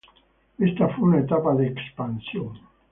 Ésta fue una etapa de expansión.